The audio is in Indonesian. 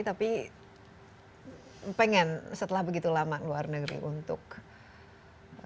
tapi pengen setelah begitu lama luar negeri untuk mengembangkan